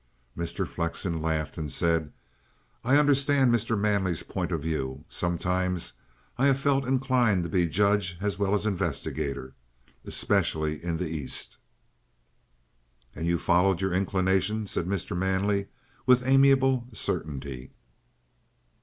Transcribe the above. Mr. Flexen laughed and said: "I understand Mr. Manley's point of view. Sometimes I have felt inclined to be judge as well as investigator especially in the East." "And you followed your inclination," said Mr. Manley with amiable certainty.